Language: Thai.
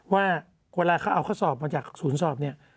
ว่าเวลาเขาเอาข้อสอบมาจากศูนย์สอบเนี่ย